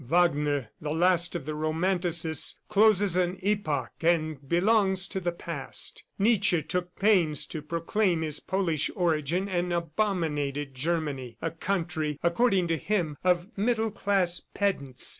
Wagner, the last of the romanticists, closes an epoch and belongs to the past. Nietzsche took pains to proclaim his Polish origin and abominated Germany, a country, according to him, of middle class pedants.